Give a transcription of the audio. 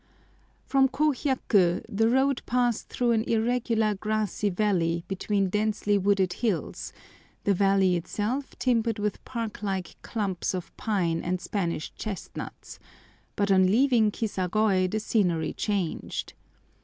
From Kohiaku the road passed through an irregular grassy valley between densely wooded hills, the valley itself timbered with park like clumps of pine and Spanish chestnuts; but on leaving Kisagoi the scenery changed.